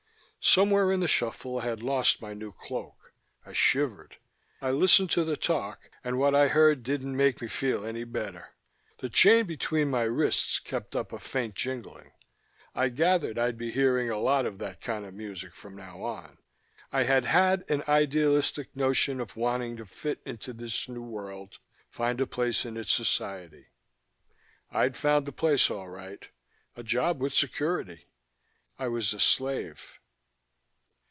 Somewhere in the shuffle I had lost my new cloak. I shivered. I listened to the talk, and what I heard didn't make me feel any better. The chain between my wrists kept up a faint jingling. I gathered I'd be hearing a lot of that kind of music from now on. I had had an idealistic notion of wanting to fit into this new world, find a place in its society. I'd found a place all right: a job with security. I was a slave.